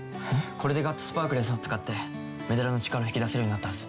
これでＧＵＴＳスパークレンスを使ってメダルの力を引き出せるようになったはず。